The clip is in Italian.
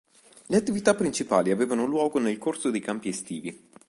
Le attività principali avevano luogo nel corso dei campi estivi.